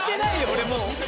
俺もう。